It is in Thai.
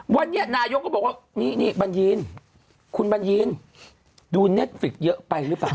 วันนี้นายกก็บอกว่านี่นี่บัญญีนคุณบัญญีนดูเน็ตฟิกเยอะไปหรือเปล่า